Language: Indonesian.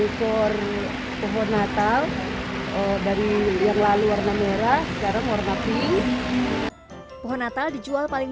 ekor pohon natal dari yang lalu warna merah sekarang warna ki pohon natal dijual paling